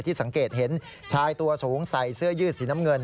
สังเกตเห็นชายตัวสูงใส่เสื้อยืดสีน้ำเงิน